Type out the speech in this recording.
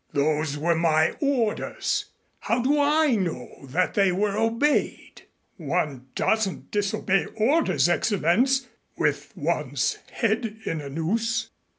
"Those were my orders. How do I know that they were obeyed?" "One doesn't disobey orders, Excellenz, with one's head in a noose."